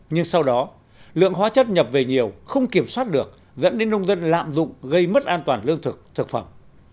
nhưng sau đó lượng hóa chất nhập về nhiều không kiểm soát được dẫn đến nông dân lạm dụng gây mất an toàn lương thực thực phẩm